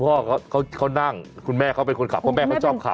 พ่อเขานั่งคุณแม่เขาเป็นคนขับเพราะแม่เขาชอบขับ